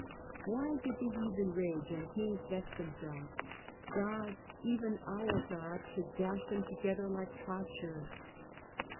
Why did the heathen rage and kings vex them selves? God, even our God, should dash them together like potsherds.